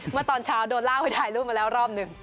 เมื่อตอนเช้าโดนลากไปถ่ายรูปมาแล้วรอบหนึ่ง